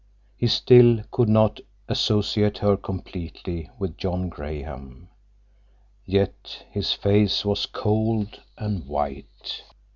He still could not associate her completely with John Graham. Yet his face was cold and white.